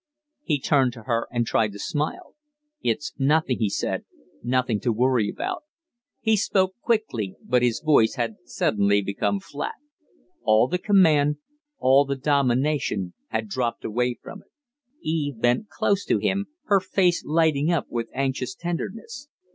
He turned to her and tried to smile. "It's nothing," he said. "Nothing to worry about." He spoke quickly, but his voice had suddenly become flat. All the command, all the domination had dropped away from it. Eve bent close to him, her face lighting up with anxious tenderness.